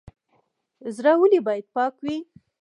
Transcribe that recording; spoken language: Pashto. زړه ولې باید پاک وي؟